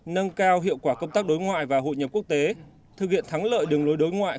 nâng cao hiệu quả công tác đối ngoại và hội nhập quốc tế thực hiện thắng lợi đường lối đối ngoại